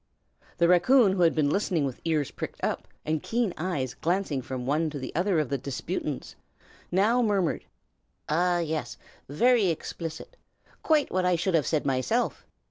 The raccoon, who had been listening with ears pricked up, and keen eyes glancing from one to the other of the disputants, now murmured, "Ah, yes! very explicit. Quite what I should have said myself!"